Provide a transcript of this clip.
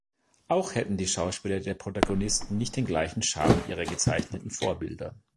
Auch hätten die Schauspieler der Protagonisten nicht den gleichen Charme ihrer gezeichneten Vorbilder.